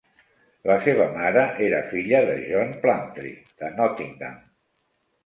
La seva mare era filla de John Plumptre de Nottingham.